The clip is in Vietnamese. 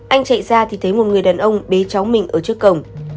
anh chạy ra thì thấy một người đàn ông bế cháu mình ở trước cổng